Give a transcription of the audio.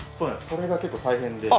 それが結構大変で。